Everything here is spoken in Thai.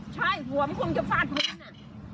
ใช่หวมคุณกับฝาดมื้อน่ะ